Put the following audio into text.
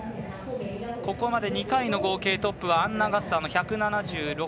ここまで２回の合計トップはアンナ・ガッサーの１７６．７５。